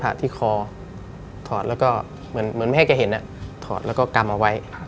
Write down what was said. ที่คอถอดแล้วก็เหมือนไม่ให้แกเห็นถอดแล้วก็กำเอาไว้